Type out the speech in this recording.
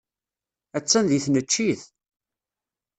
Attan deg tneččit.